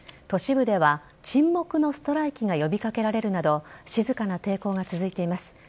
都市部では沈黙のストライキが呼びかけられるなど、静かな抵抗が続いています。